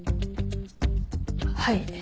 はい。